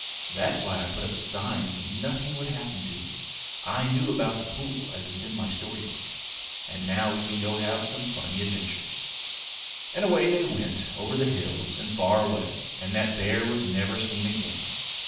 That's why I put up the sign so nothing would happen to you. I knew about the pool, as it's in my story book. And now we can go have some funny adventures." And away they went over the hills and far away and that bear was never seen again.